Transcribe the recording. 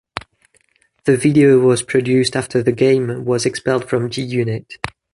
The video was produced after The Game was expelled from G-Unit.